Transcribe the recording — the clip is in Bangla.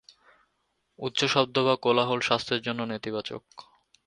উচ্চ শব্দ বা কোলাহল স্বাস্থ্যের জন্য নেতিবাচক।